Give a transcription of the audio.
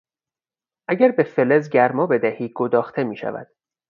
اگر به فلز گرما بدهی گداخته میشود.